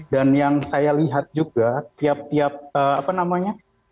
dan yang saya lihat juga tiap tiap apa namanya